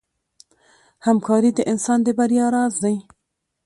همکاري د انسان د بریا راز دی.